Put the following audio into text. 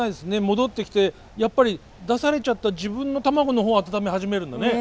戻ってきてやっぱり出されちゃった自分の卵の方を温め始めるんだね。